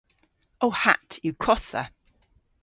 Ow hatt yw kottha.